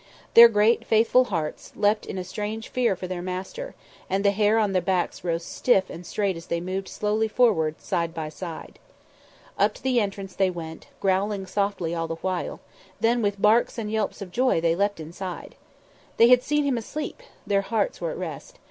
Their great faithful hearts, leapt in a strange fear for their master, and the hair on their backs rose stiff and straight as they moved slowly forward, side by side. Up to the entrance they went, growling softly all the while; then with barks and yelps of joy they leapt inside. They had seen Him asleep; their hearts were at rest.